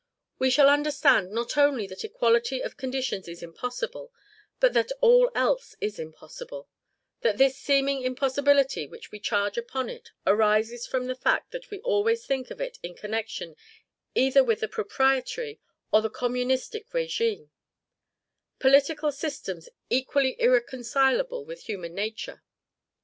We shall understand not only that equality of conditions is possible, but that all else is impossible; that this seeming impossibility which we charge upon it arises from the fact that we always think of it in connection either with the proprietary or the communistic regime, political systems equally irreconcilable with human nature.